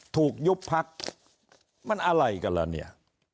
ยุบพักมันอะไรกันล่ะเนี่ย